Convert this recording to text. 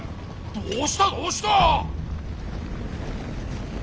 どうしたどうした！